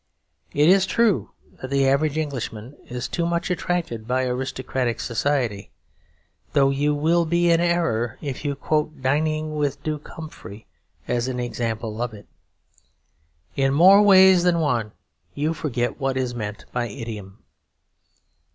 It is true that the average Englishman is too much attracted by aristocratic society; though you will be in error if you quote dining with Duke Humphrey as an example of it. In more ways than one you forget what is meant by idiom.